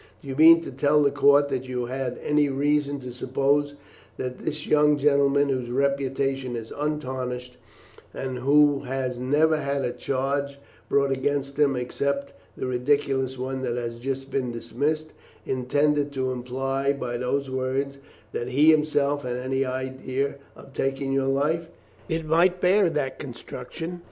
Do you mean to tell the court that you had any reason to suppose that this young gentleman, whose reputation is untarnished, and who has never had a charge brought against him except the ridiculous one that has just been dismissed, intended to imply by those words that he himself had any idea of taking your life?" "It might bear that construction."